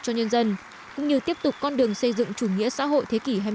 cho nhân dân cũng như tiếp tục con đường xây dựng chủ nghĩa xã hội thế kỷ hai mươi